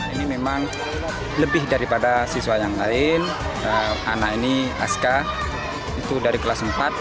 ini memang lebih daripada siswa yang lain anak ini aska itu dari kelas empat